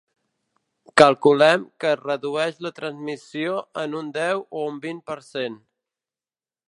Calculem que es redueix la transmissió en un deu o un vint per cent.